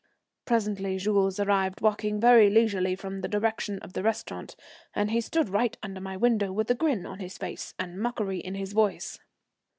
Presently Jules arrived, walking very leisurely from the direction of the restaurant, and he stood right under my window with a grin on his face and mockery in his voice.